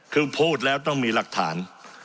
คือพูดแล้วต้องมีหลักฐาน